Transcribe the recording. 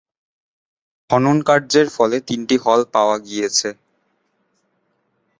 খননকার্যের ফলে তিনটি হল পাওয়া গিয়েছে।